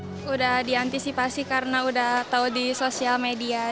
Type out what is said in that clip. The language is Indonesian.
sudah diantisipasi karena udah tahu di sosial media